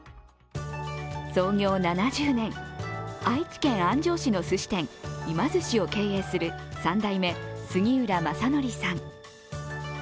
創業７０年、愛知県安城市のすし店今寿司を経営する３代目、杉浦正典さん。